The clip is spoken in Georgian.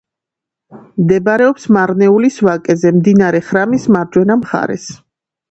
მდებარეობს მარნეულის ვაკეზე, მდინარე ხრამის მარჯვენა მხარეს.